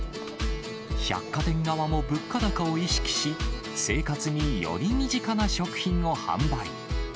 百貨店側も物価高を意識し、生活により身近な食品を販売。